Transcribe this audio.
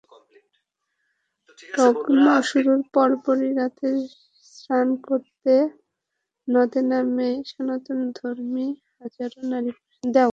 লগ্ন শুরুর পরপরই রাতেই স্নান করতে নদে নামেন সনাতনধর্মী হাজারো নারী-পুরুষ।